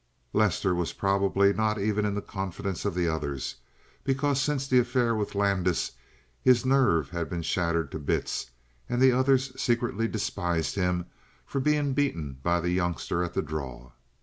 Lester was probably not even in the confidence of the others because since the affair with Landis his nerve had been shattered to bits and the others secretly despised him for being beaten by the youngster at the draw.